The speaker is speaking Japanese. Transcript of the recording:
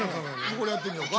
これやってみようか。